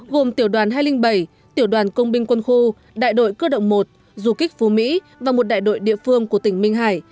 gồm tiểu đoàn hai trăm linh bảy tiểu đoàn công binh quân khu đại đội cơ động một du kích phú mỹ và một đại đội địa phương của tỉnh minh hải